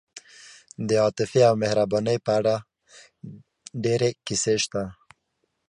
د عاطفې او مهربانۍ په اړه ډېرې کیسې شته.